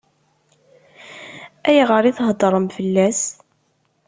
Ayɣer i theddṛem fell-as?